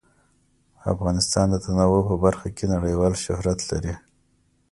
افغانستان د تنوع په برخه کې نړیوال شهرت لري.